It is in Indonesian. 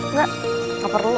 nggak gak perlu